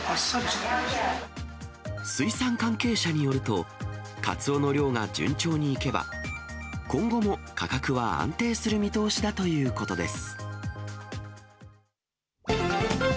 水産関係者によると、カツオの漁が順調にいけば、今後も価格は安定する見通しだということです。